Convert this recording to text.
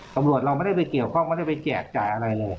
ตำรวจเราไม่ได้ไปเกี่ยวข้องไม่ได้ไปแจกจ่ายอะไรเลย